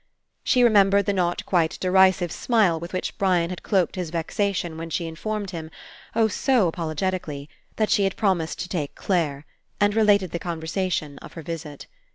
She remembered the not quite derisive smile with which Brian had cloaked his vexa tion when she informed him — oh, so apologet ically — that she had promised to take Clare, and related the conversation of her visit.